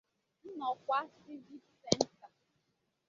'Nnokwa Civic Centre'.